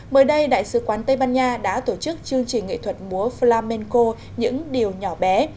mới đây đại sứ quán tây ban nha đã tổ chức chương trình nghệ thuật múa flamenco những điều nhỏ bé